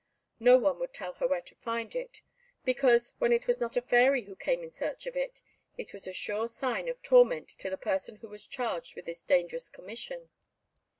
None would tell her where to find it, because, when it was not a fairy who came in search of it, it was a sure sign of torment to the person who was charged with this dangerous commission.